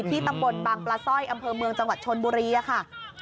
ตำบลบางปลาสร้อยอำเภอเมืองจังหวัดชนบุรีค่ะ